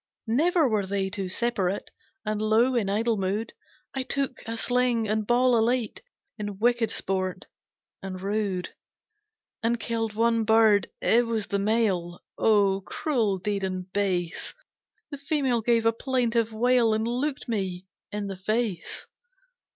"Never were they two separate, And lo, in idle mood, I took a sling and ball, elate In wicked sport and rude, "And killed one bird, it was the male, Oh cruel deed and base! The female gave a plaintive wail And looked me in the face!